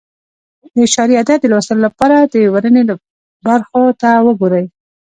د اعشاري عدد د لوستلو لپاره د ورنيې برخو ته وګورئ.